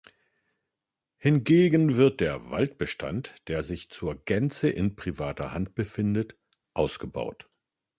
Hingegen wird der Waldbestand, der sich zur Gänze in privater Hand befindet, ausgebaut.